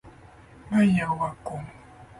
ガイアオワコン